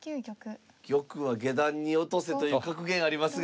「玉は下段に落とせ」という格言ありますが。